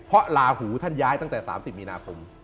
เพราะลาหูท่านย้ายตั้งแต่๓๐มีนาคม